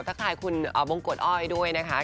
ถ้าใครคุณมงกวดอ้อยด้วยนะคะ